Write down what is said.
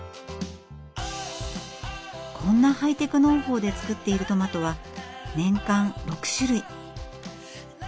こんなハイテク農法で作っているトマトは年間６種類。